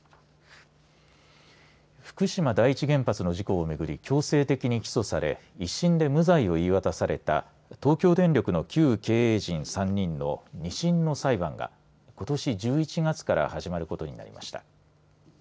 福島第一原発の事故をめぐり強制的に起訴され１審で無罪を言い渡された東京電力の旧経営陣３人の２審の裁判がことし１１月から始まることになりました。